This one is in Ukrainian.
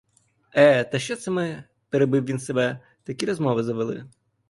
Е, та що це ми, — перебив він себе, — такі розмови завели!